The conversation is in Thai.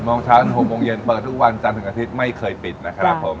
โมงเช้าถึง๖โมงเย็นเปิดทุกวันจันทร์ถึงอาทิตย์ไม่เคยปิดนะครับผม